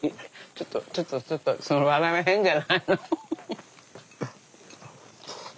ちょっとちょっとちょっとその笑いは変じゃないの。